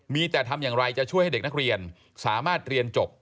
มีแต่ทำอย่างไรจะช่วยให้เด็กนักเรียนสามารถเรียนจบ